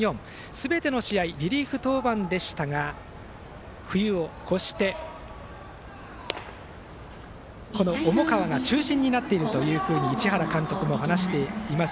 すべての試合リリーフ登板でしたが冬を越して、この重川が中心になっていると市原監督も話しています。